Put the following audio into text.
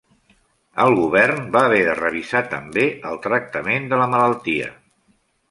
El govern va haver de revisar també el tractament de la malaltia.